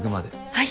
はい。